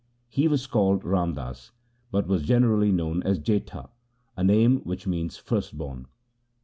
He was called Ram Das, but was generally known as Jetha, a name which means first born.